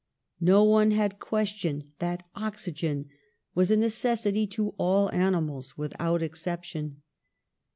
No one had questioned that oxygen was a necessity to all animals without exception.